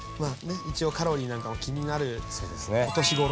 一応カロリーなんかも気になるお年頃。